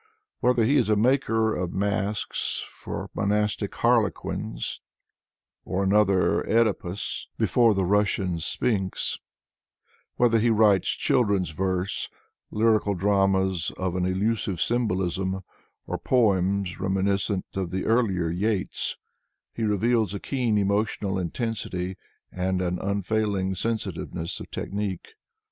Whether he is a maker of masques for monastic harlequins, or another OBdipus before the Russian sphinx, whether he writes children's verse, lyrical dramas of an elusive symbolism, or poems reminiscent of the earlier Yeats, he reveals a keen emotional intensity and an unfailing sensi tiveness of technique.